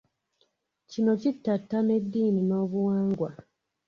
Kino kittattana eddiini n'obuwangwa.